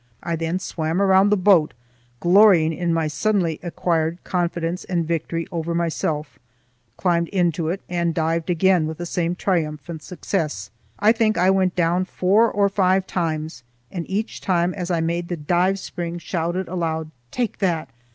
I then swam round the boat, glorying in my suddenly acquired confidence and victory over myself, climbed into it, and dived again, with the same triumphant success. I think I went down four or five times, and each time as I made the dive spring shouted aloud, "Take that!"